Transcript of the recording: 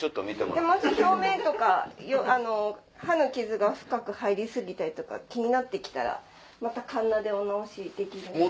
もし表面とか刃の傷が深く入り過ぎたりとか気になって来たらまたカンナでお直しできる。